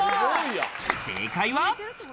正解は。